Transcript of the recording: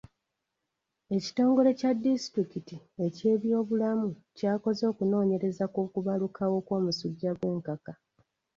Ekitongole kya disitulikiti eky'ebyobulamu kyakoze okunoonyereza ku kubalukawo kw'omusujja gw'enkaka.